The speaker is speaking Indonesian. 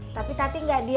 tapi tadi aku gak bisa